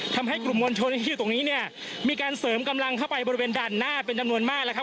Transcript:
ทำให้กลุ่มมวลชนที่อยู่ตรงนี้เนี่ยมีการเสริมกำลังเข้าไปบริเวณด่านหน้าเป็นจำนวนมากแล้วครับ